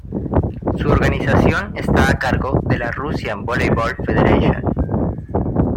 Su organización está a cargo de la Russian Volleyball Federation.